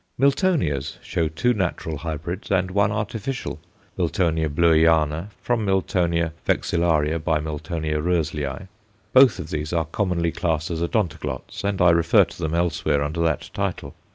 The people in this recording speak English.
Miltonias show two natural hybrids, and one artificial Mil. Bleuiana from Mil. vexillaria × Mil. Roezlii; both of these are commonly classed as Odontoglots, and I refer to them elsewhere under that title.